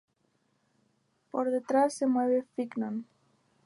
Por detrás se mueve Fignon.